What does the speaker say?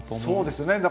そうですね。